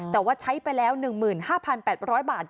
แต่ว่าใช้ไปแล้วหนึ่งหมื่นห้าพันแปดร้อยบาท